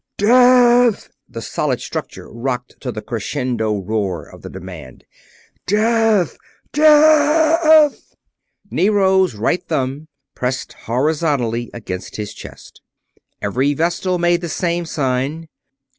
"Death!" The solid structure rocked to the crescendo roar of the demand. "Death! DEATH!" Nero's right thumb pressed horizontally against his chest. Every vestal was making the same sign.